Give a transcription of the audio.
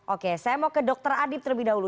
oke saya mau ke dr adib terlebih dahulu